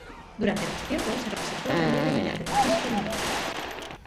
Durante mucho tiempo se representó el relieve mediante procesos elementales.